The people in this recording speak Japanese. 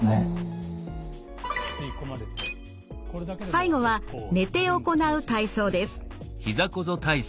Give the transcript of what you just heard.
最後は寝て行う体操です。